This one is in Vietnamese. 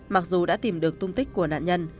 mặc dù đã tìm được tung tích của nạn nhân